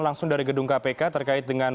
langsung dari gedung kpk terkait dengan